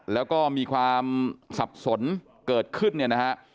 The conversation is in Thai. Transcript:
แล้วก็มีความสับสนเกิดขึ้นเนี่ยนะฮะ